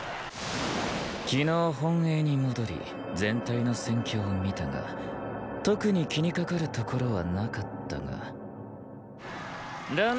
昨日本営に戻り全体の戦況を見たが特に気にかかるところはなかったが乱美迫を出せ。